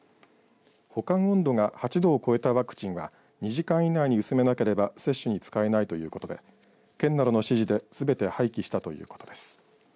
保管温度が８度を超えたワクチンは２時間以内に薄めなければ接種に使えないということで県などの指示ですべて廃棄したということです。